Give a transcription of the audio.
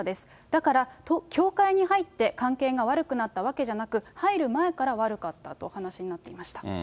だから教会に入って関係が悪くなったわけじゃなく、入る前から悪かったとお話しになってました。